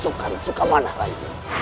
bukan sukamana lagi